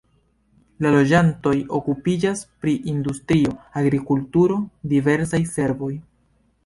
La loĝantoj okupiĝas pri industrio, agrikulturo, diversaj servoj.